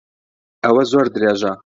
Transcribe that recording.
ئەوە زۆر درێژە.